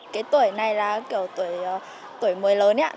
cái tuổi này là kiểu tuổi mới lớn ấy ạ